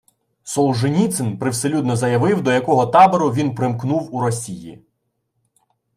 Солженіцин привселюдно заявив, до якого табору він примкнув у Росії